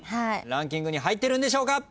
ランキング入ってるんでしょうか。